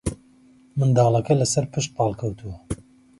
منداڵەکە لەسەرپشت پاڵکەوتووە